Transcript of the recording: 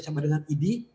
sama dengan id